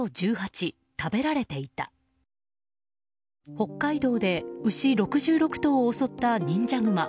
北海道で牛６６頭を襲った忍者グマ。